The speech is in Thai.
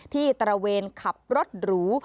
ตระเวนขับรถหรู